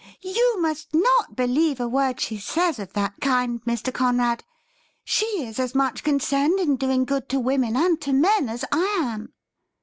You must not believe a word she says of that kind, Mr. Conrad. She is as much concerned in doing good to women and to men as I am.